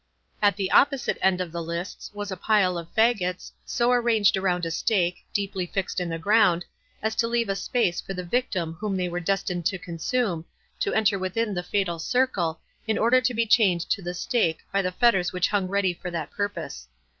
At the opposite end of the lists was a pile of faggots, so arranged around a stake, deeply fixed in the ground, as to leave a space for the victim whom they were destined to consume, to enter within the fatal circle, in order to be chained to the stake by the fetters which hung ready for that purpose.